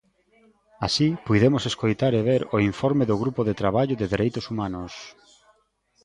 Así, puidemos escoitar e ver o informe do Grupo de traballo de Dereitos Humanos.